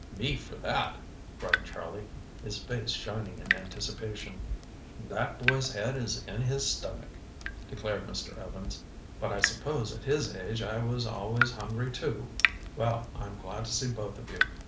"Me for that!" cried Charlie, his face shining in anticipation. "That boy's head is in his stomach," declared Mr. Evans. "But I suppose at his age I was always hungry too. Well, I'm glad to see both of you.